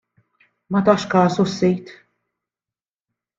Ma tax kasu s-Sid.